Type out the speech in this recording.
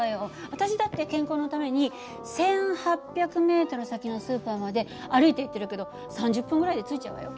私だって健康のために１，８００ｍ先のスーパーまで歩いて行ってるけど３０分ぐらいで着いちゃうわよ。